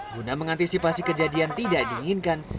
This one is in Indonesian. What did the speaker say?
guna mengantisipasi kejadian tidak diinginkan